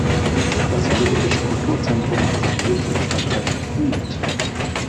Das Alevitische Kulturzentrum hat seinen Sitz im Stadtteil Nied.